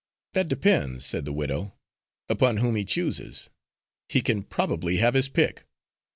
"That depends," said the widow, "upon whom he chooses. He can probably have his pick."